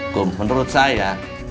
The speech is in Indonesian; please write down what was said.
tuh menurut saya